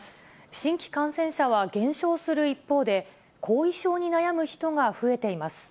新規感染者は減少する一方で、後遺症に悩む人が増えています。